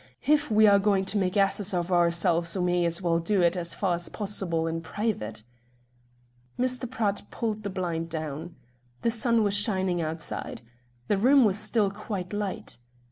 If we are going to make asses of ourselves, we may as well do it, as far as possible, in private." Mr. Pratt pulled the blind down. The sun was shining outside. The room was still quite light.